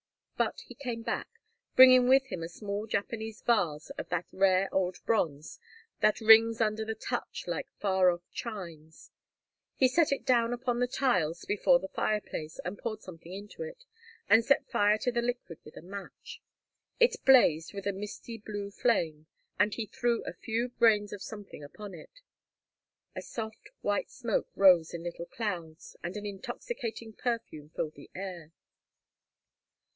But he came back, bringing with him a small Japanese vase of that rare old bronze that rings under the touch like far off chimes. He set it down upon the tiles before the fireplace, and poured something into it, and set fire to the liquid with a match. It blazed with a misty blue flame, and he threw a few grains of something upon it. A soft, white smoke rose in little clouds, and an intoxicating perfume filled the air.